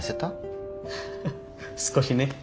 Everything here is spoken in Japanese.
少しね。